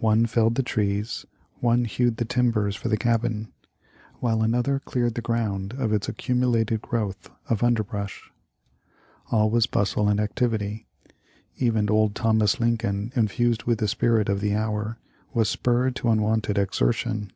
One felled the trees ; one hewed the tim bers for the cabin ; while another cleared the ground of its accumulated growth of underbrush. All was bustle and activity. Even old Thomas Lincoln, infused with the spirit of the hour, was spurred to unwonted exertion.